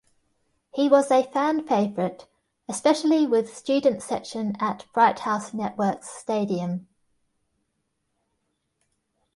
He was a fan favorite, especially with student section at Brighthouse Networks Stadium.